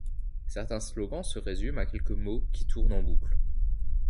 Certains slogans se résument à quelques mots qui tournent en boucle.